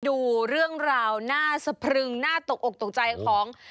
ดูเรื่องราวน่าสะพรึงน่าตกอกตกใจของ